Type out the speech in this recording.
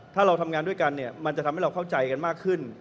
ถ้าเราด้วยกันมันจะทำให้เราเข้าใจกันมากขึ้น